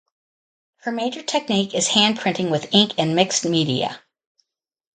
Her major technique is hand printing with ink and mixed media.